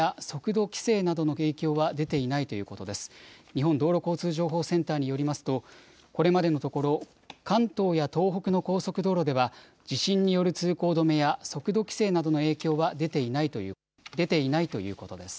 日本道路交通情報センターによりますと、これまでのところ関東や東北の高速道路では地震による通行止めや速度規制などの影響は出ていないということです。